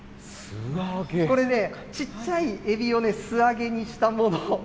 これね、ちっちゃいエビを素揚げにしたもの。